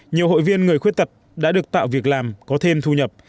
nhiều hội viên người khuyết tật đã được tạo việc làm có thêm thu nhập